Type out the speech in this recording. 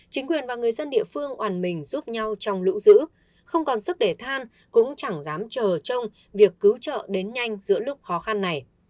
chính quyền và người dân địa phương oàn mình giúp nhau trong lũ dữ không còn sức để than cũng chẳng dám chờ trong việc cứu trợ đến nhanh giữa lúc khó khăn này